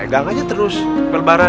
itu bagi bagi bagi